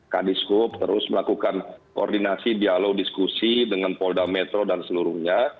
kadiskup terus melakukan koordinasi dialog diskusi dengan polda metro dan seluruhnya